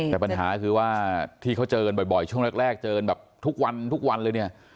แต่ปัญหาคือว่าที่เขาเจอกันบ่อยช่วงแรกเจอแบบทุกวันทุกวันเลยเนี่ย